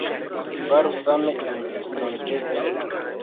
Faru same en estonteco!